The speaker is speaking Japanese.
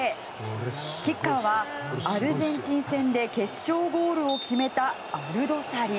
キッカーは、アルゼンチン戦で決勝ゴールを決めたアルドサリ。